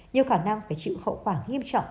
nhiều khả năng phải chịu khẩu quả nghiêm trọng